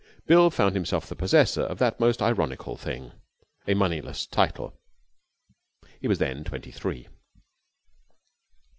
Bill found himself the possessor of that most ironical thing, a moneyless title. He was then twenty three.